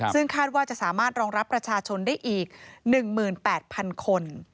ซึ่งคาดว่าจะสามารถรองรับประชาชนได้อีก๑๘๐๐๐คน